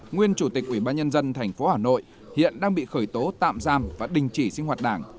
nguyên chủ tịch ủy ban nhân dân tp hà nội hiện đang bị khởi tố tạm giam và đình chỉ sinh hoạt đảng